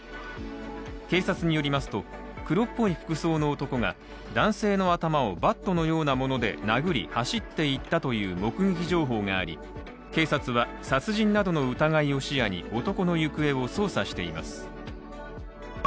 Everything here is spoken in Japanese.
警察によりますと、黒っぽい服装の男が男性の頭をバットのようなもので殴り走っていったという目撃情報があり警察は、殺人などの疑いを視野に男の行方を捜査しています。